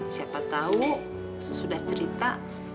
siapa tahu sesudah cerita